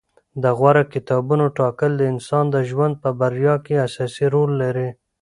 د غوره کتابونو ټاکل د انسان د ژوند په بریا کې اساسي رول لري.